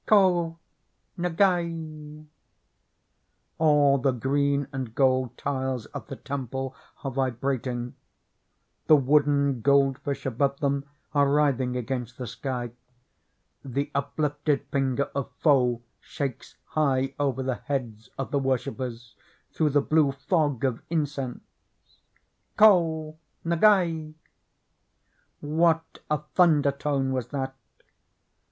Ko Ngai !— all the green and gold tiles of the temple are vibrating; the wooden gold fish above them are writhing against the sky; the uplifted finger of Fo shakes high over the heads of the worshipers through the blue fog of incense! Ko Ngai! — What a thunder tone was that!